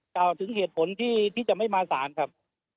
กล่าวถึงเหตุผลที่จะไม่มาสารครับ